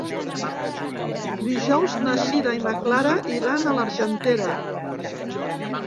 Dijous na Sira i na Clara iran a l'Argentera.